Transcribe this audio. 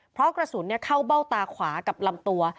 เพราะกระสุนเข้าเบ้าตาขวากับลำตัว